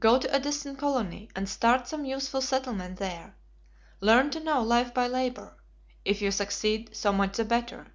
Go to a distant colony; and start some useful settlement there. Learn to know life by labor. If you succeed, so much the better.